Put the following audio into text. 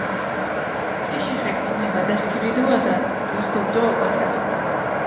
თიში ხექ თინა ვადასქილიდუადა, დუს დობდვა ოკვათალო.